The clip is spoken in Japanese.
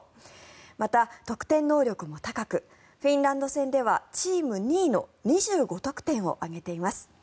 また、得点能力も高くフィンランド戦ではチーム２位の２５得点を挙げています。